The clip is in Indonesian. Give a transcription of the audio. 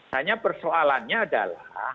hanya persoalannya adalah